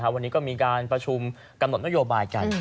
วันนี้ก็มีการประชุมกำหนดนโยบายกัน